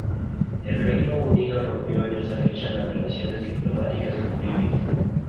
El Reino Unido rompió en esa fecha las relaciones diplomáticas con Libia.